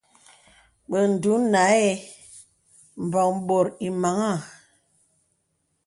Bə ǹdùnàɛ̂ m̀bɔ̄ŋ bòt ìmàgā.